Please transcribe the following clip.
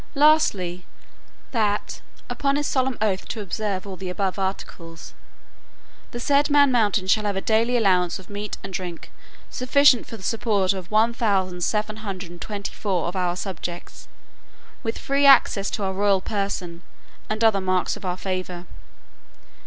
"Lastly, That, upon his solemn oath to observe all the above articles, the said man mountain shall have a daily allowance of meat and drink sufficient for the support of 1724 of our subjects, with free access to our royal person, and other marks of our favour.